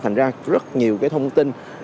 thành ra rất nhiều thông tin